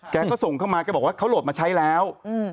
ก็ส่งเข้ามาแกบอกว่าเขาโหลดมาใช้แล้ว